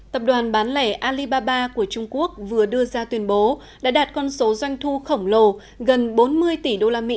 tập đoàn bán lẻ alibaba của trung quốc vừa đưa ra tuyên bố đã đạt con số doanh thu khổng lồ gần bốn mươi tỷ usd